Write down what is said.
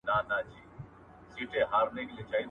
په قلم لیکنه کول د نوښت لپاره زمینه برابروي.